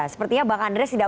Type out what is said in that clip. sepertinya bang andreas tidak